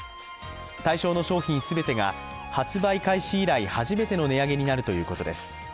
対象の商品全てが発売開始以来、初めての値上げになるということです。